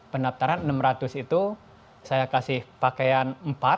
pendaftaran enam ratus itu saya kasih pakaian empat